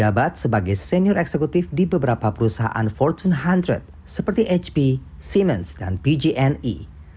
ia pernah menjabat sebagai senior eksekutif di beberapa perusahaan fortune seratus seperti hp siemens dan pg e